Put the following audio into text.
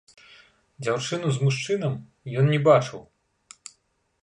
Дзяўчыну з мужчынам ён не бачыў.